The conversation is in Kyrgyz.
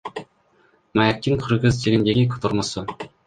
Маектин кыргыз тилиндеги котормосу.